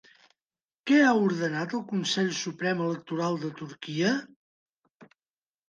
Què ha ordenat el Consell Suprem Electoral de Turquia?